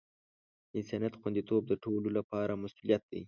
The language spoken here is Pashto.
د انسانیت خوندیتوب د ټولو لپاره مسؤولیت دی.